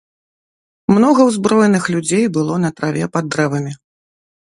Многа ўзброеных людзей было на траве пад дрэвамі.